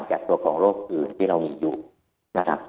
จากตัวของโรคอื่นที่เรามีอยู่นะครับ